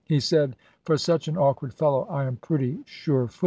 He said: "For such an awkward fellow, I am pretty sure footed.